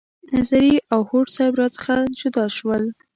نظري او هوډ صیب را څخه جدا شول.